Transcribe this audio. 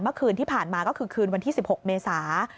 เมื่อคืนที่ผ่านมาก็คือคืนวันที่๑๖เมษา